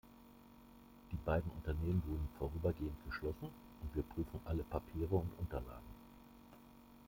Die beiden Unternehmen wurden vorübergehend geschlossen, und wir prüfen alle Papiere und Unterlagen.